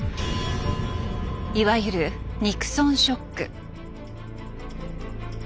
いわゆる「ニクソン・ショック」。